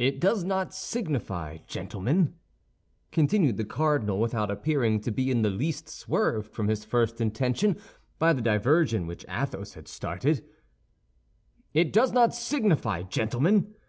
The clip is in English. "It does not signify, gentlemen," continued the cardinal, without appearing to be in the least swerved from his first intention by the diversion which Athos had started, "it does not signify, gentlemen.